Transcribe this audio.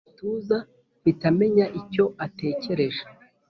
angwa mu gituza mpita menya icyo atekereje.